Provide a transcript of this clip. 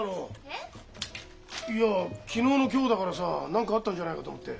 えっ？いや昨日の今日だからさ何かあったんじゃないかと思って。